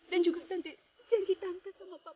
dan juga tante janji tante sama bapak